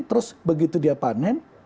terus begitu dia panen